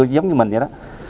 giống như mình vậy đó